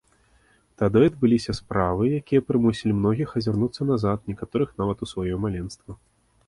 Тады адбыліся справы, якія прымусілі многіх азірнуцца назад, некаторых нават у сваё маленства.